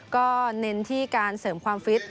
ก็เน้นที่การเสริมความฟิต